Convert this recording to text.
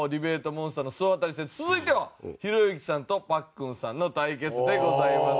モンスターの総当たり戦続いてはひろゆきさんとパックンさんの対決でございます。